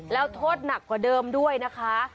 แล้วโทษหนักกว่าเดิมด้วยนะคะ